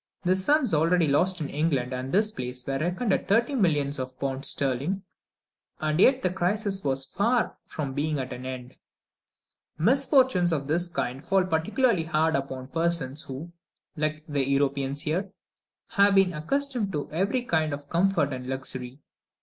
The sums already lost in England and this place were reckoned at thirty millions of pounds sterling, and yet the crisis was far from being at an end. Misfortunes of this kind fall particularly hard upon persons who, like the Europeans here, have been accustomed to every kind of comfort and luxury.